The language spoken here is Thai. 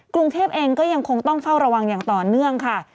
กรุงเทพเองก็ยังคงต้องเฝ้าระวังอย่างต่อเนื่องค่ะ